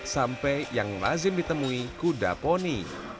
sampai yang lazim ditemui kuda poni